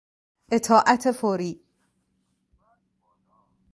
اطاعت فوری